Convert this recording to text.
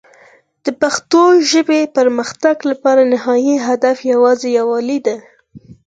د پښتو ژبې د پرمختګ لپاره نهایي هدف یوازې یووالی دی.